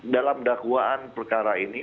dalam dakwaan perkara ini